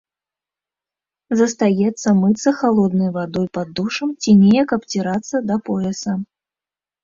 Застаецца мыцца халоднай вадой пад душам ці неяк абцірацца да пояса.